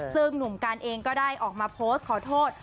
ซึ่งหนุ่มกันเองก็ได้ออกมาโพสต์ขอโทษ